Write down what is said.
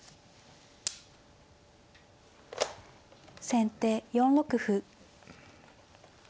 先手４六歩。